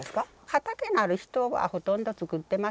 畑のある人はほとんど作ってますね。